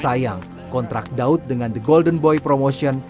sayang kontrak daud dengan the golden boy promotion